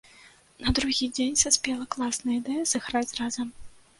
На другі дзень саспела класная, ідэя сыграць разам.